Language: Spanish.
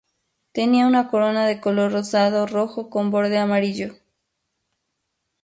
Tiene una corona de color rosado-rojo con borde amarillo.